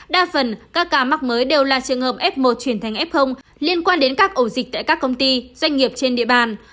đa phần các ca mắc mới đều là trường hợp f một chuyển thành f liên quan đến các ổ dịch tại các công ty doanh nghiệp trên địa bàn